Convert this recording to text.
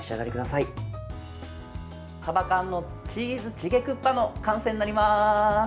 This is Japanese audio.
さば缶のチーズチゲクッパの完成になります。